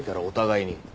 お互いに。